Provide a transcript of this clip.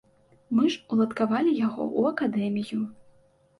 Мы ж уладкавалі яго ў акадэмію.